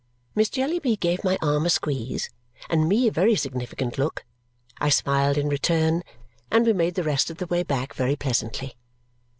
Miss Jellyby gave my arm a squeeze and me a very significant look. I smiled in return, and we made the rest of the way back very pleasantly.